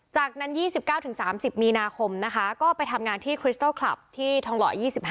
จากนั้น๒๙๓๐มีนาคมนะคะก็ไปทำงานที่คริสตัลคลับที่ทองหล่อ๒๕